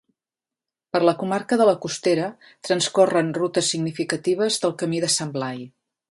Per la comarca de la Costera transcorren rutes significatives del Camí de Sant Blai